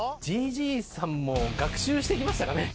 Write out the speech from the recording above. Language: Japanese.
Ｇ．Ｇ．さんも学習してきましたかね？